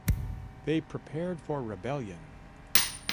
They prepared for rebellion.